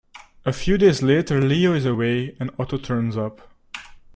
A few days later, Leo is away, and Otto turns up.